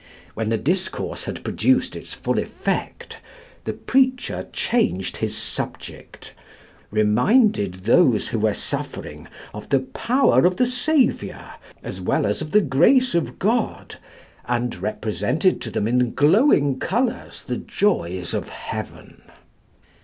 When the discourse had produced its full effect the preacher changed his subject; reminded those who were suffering of the power of the Saviour, as well as of the grace of God, and represented to them in glowing colours the joys of heaven.